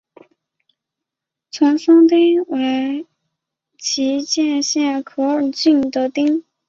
御嵩町为岐阜县可儿郡的町。